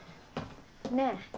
ねえ。